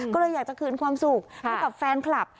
ก็เลยอยากจะคืนความสุขให้กับแฟนคลับ